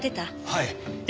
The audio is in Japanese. はい。